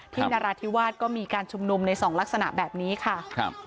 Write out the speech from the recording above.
นราธิวาสก็มีการชุมนุมในสองลักษณะแบบนี้ค่ะครับ